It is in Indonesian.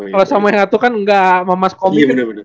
kalau sama yang satu kan gak memas komitmen